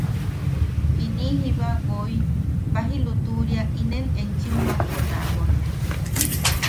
Iniʼi jiba woi, baji lutuʼuria inen enchim mampo taawak.